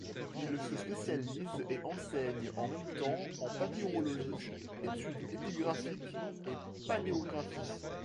Il se spécialise et enseigne en même temps en papyrologie, études épigraphiques et paléographie.